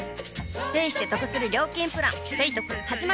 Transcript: ペイしてトクする料金プラン「ペイトク」始まる！